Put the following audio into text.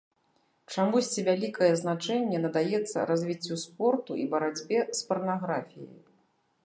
Чамусьці вялікае значэнне надаецца развіццю спорту і барацьбе з парнаграфіяй.